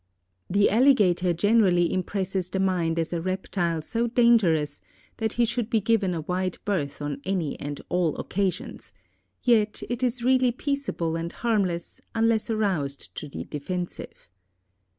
The alligator generally impresses the mind as a reptile so dangerous that he should be given a wide berth on any and all occasions, yet it is really peaceable and harmless unless aroused to the defensive.